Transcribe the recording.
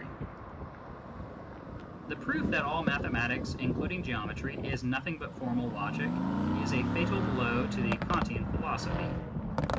] 96 MYSTICISM AND LOGIC The proof that all pure mathematics, including Geometry, is nothing but formal logic, is a fatal blow to the Kantian philosophy.